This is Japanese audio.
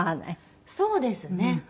そうですね。